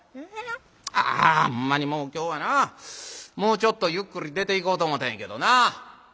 あほんまにもう今日はなもうちょっとゆっくり出ていこうと思たんやけどなぁ。